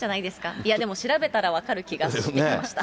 いや、でも調べたら分かる気がしてきました。